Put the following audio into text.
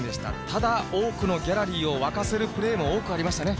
ただ、多くのギャラリーを沸かせるプレーも多くありましたね。